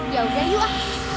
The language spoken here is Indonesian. yaudah yuk ah